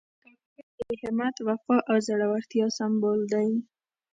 کاکړ د همت، وفا او زړورتیا سمبول دي.